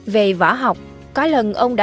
về võ học có lần ông đã